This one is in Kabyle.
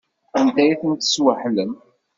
Anda ay tent-tesweḥlem?